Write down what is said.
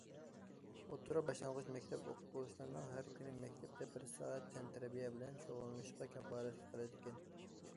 ئوتتۇرا، باشلانغۇچ مەكتەپ ئوقۇغۇچىلىرىنىڭ ھەر كۈنى مەكتەپتە بىر سائەت تەنتەربىيە بىلەن شۇغۇللىنىشىغا كاپالەتلىك قىلىنىدىكەن.